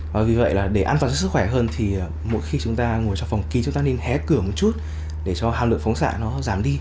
và vì vậy là để an toàn cho sức khỏe hơn thì mỗi khi chúng ta ngồi trong phòng kín chúng ta nên hé cửa một chút để cho hàm lượng phóng xạ nó giảm đi